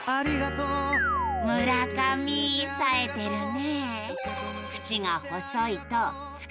村上さえてるね